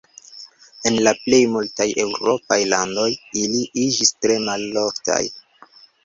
En la plej multaj eŭropaj landoj ili iĝis tre maloftaj.